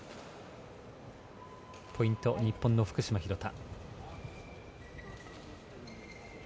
ポイント、日本の福島、廣田。